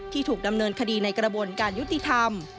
ถูกดำเนินคดีในกระบวนการยุติธรรม